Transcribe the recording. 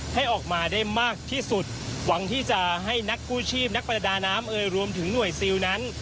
ให้ออกมาได้มากที่สุดหวังที่จะให้นักกู้ชีพนักประดาน้ำเอ่ยรวมถึงหน่วยซิลนั้น